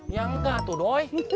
ya enggak tuh doi